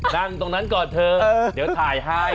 นั่งตรงนั้นก่อนเถอะเดี๋ยวถ่ายให้